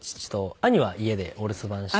兄は家でお留守番して。